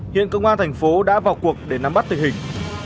hiện công an thành phố đã vào cuộc để nắm bắt tình hình